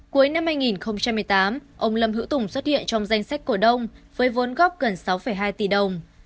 cuối năm hai nghìn một mươi tám ông lâm hữu tùng xuất hiện trong danh sách cổ đông với vốn góp gần sáu hai tỷ đồng